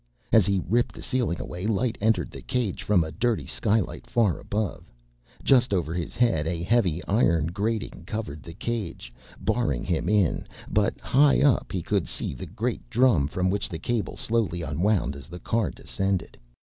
As he ripped the ceiling away, light entered the cage from a dirty skylight far above. Just over his head a heavy iron grating covered the cage, barring him in, but high up he could see the great drum, from which the cable slowly unwound as the car descended.